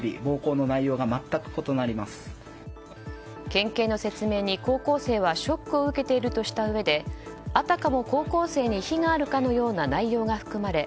県警の説明に、高校生はショックを受けているとしたうえであたかも高校生に非があるかのような内容が含まれ